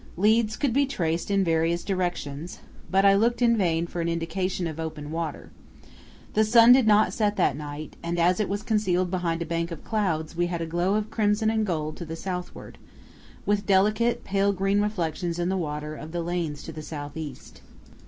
Leads could be traced in various directions, but I looked in vain for an indication of open water. The sun did not set that night, and as it was concealed behind a bank of clouds we had a glow of crimson and gold to the southward, with delicate pale green reflections in the water of the lanes to the south east.